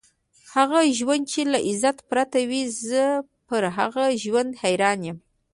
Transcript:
هغه ژوند چې له عزت پرته وي، زه پر هغه ژوند حیران یم.